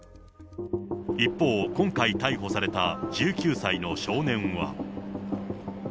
一方、今回逮捕された１９歳の少年は。